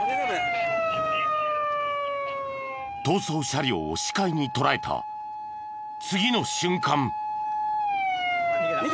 逃走車両を視界に捉えた次の瞬間。